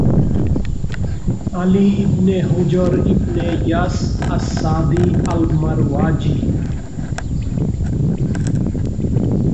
Ali ibn Hujr ibn Iyas as-Sadi আল-মারওয়াজি